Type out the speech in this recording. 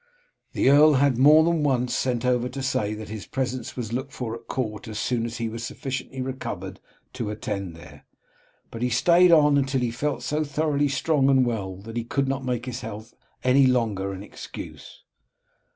The earl had more than once sent over to say that his presence was looked for at court as soon as he was sufficiently recovered to attend there, but he stayed on until he felt so thoroughly strong and well that he could not make his health any longer an excuse.